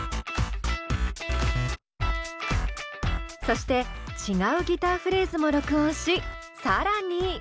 そして違うギターフレーズも録音し更に。